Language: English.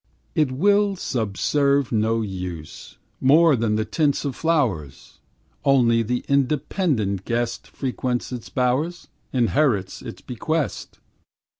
It will subserve no use, More than the tints of flowers; Only the independent guest Frequents its bowers, Inherits its bequest.